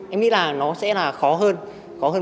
em nghĩ là nó sẽ là khó hơn